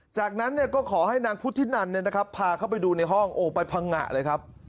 จากนั้นก็ขอให้นางพุทธินันพาเข้าไปดูในห้องโอ้ไปพังงะเลยครับ